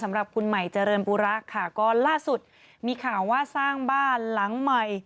สำหรับคุณใหม่เจริญปูระค่ะก็ล่าสุดมีข่าวว่าสร้างบ้านหลังใหม่